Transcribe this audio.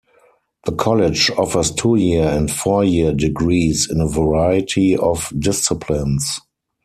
The College offers two-year and four year degrees in a variety of disciplines.